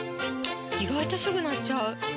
意外とすぐ鳴っちゃう！